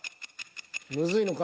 むずいのか？